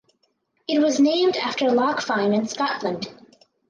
It was named after "Lock Fine" in Scotland.